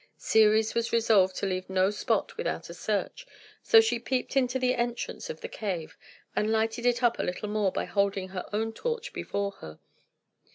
Ceres was resolved to leave no spot without a search; so she peeped into the entrance of the cave, and lighted it up a little more by holding her own torch before her.